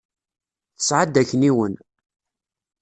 Tesεa-d akniwen.